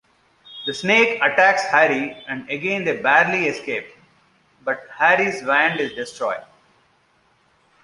The snake attacks Harry and again they barely escape, but Harry's wand is destroyed.